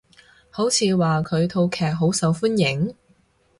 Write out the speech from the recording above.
好似話佢套劇好受歡迎？